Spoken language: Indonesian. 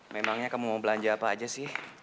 memangnya kamu mau belanja apa aja sih